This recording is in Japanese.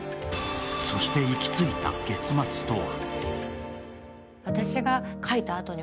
そして行き着いた結末とは？